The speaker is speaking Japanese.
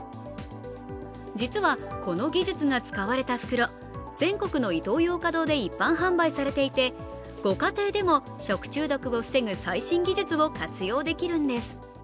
実は、この技術が使われた袋、全国のイトーヨーカドーで一般販売されていてご家庭でも食中毒を防ぐ最新技術を活用できるんです。